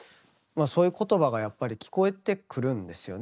あそういう言葉がやっぱり聞こえてくるんですよね